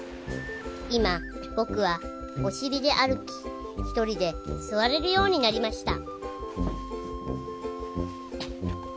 今僕はお尻で歩き１人で座れるようになりました